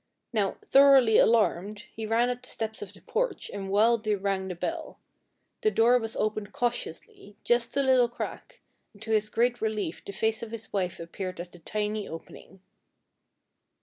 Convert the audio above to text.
Now, thoroughly alarmed, he ran up the steps of the porch and wildly rang the bell. The door was opened cautiously, just a little crack, and to his great relief the face of his wife appeared at the tiny opening.